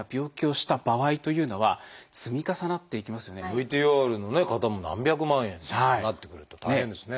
ＶＴＲの方も何百万円ということになってくると大変ですね。